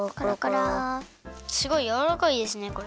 すごいやわらかいですねこれ。